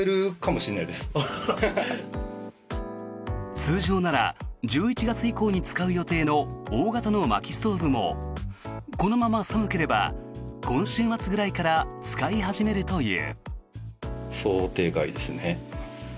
通常なら１１月以降に使う予定の大型のまきストーブもこのまま寒ければ今週末ぐらいから使い始めるという。